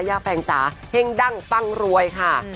ย่าแฟงจ๋าเฮ่งดังปังรวยค่ะ